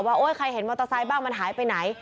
โอ๊ยใครเห็นมอเตอร์ไซค์บ้างมันหายไปไหน